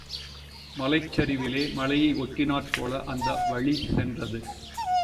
மலைச்சரிவிலே மலையை ஒட்டினாற்போல அந்த வழி சென்றது.